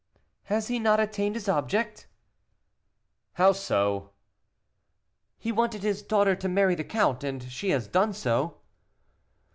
"Has he not attained his object?" "How so?" "He wanted his daughter to marry the count, and she has done so."